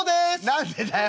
「何でだよ！